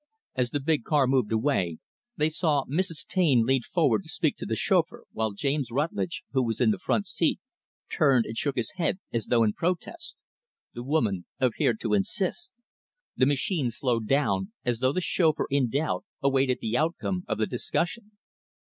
As the big car moved away, they saw Mrs. Taine lean forward to speak to the chauffeur while James Rutlidge, who was in the front seat, turned and shook his head as though in protest. The woman appeared to insist. The machine slowed down, as though the chauffeur, in doubt, awaited the outcome of the discussion.